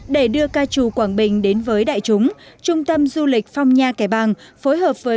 để đưa ca trù quảng bình đến với đại chúng trung tâm du lịch phong nha kẻ bàng phối hợp với